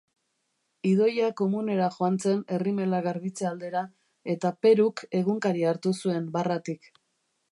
Idoia komunera joan zen errimela garbitze aldera eta Peruk egunkaria hartu zuen barratik.